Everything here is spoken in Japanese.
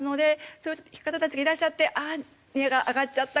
そういう方たちがいらっしゃって「ああ値が上がっちゃった。